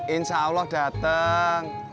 insya allah dateng